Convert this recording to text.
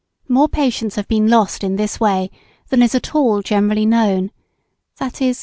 More patients have been lost in this way than is at all generally known, viz.